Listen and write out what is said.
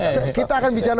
sebagai tenaga ahli utama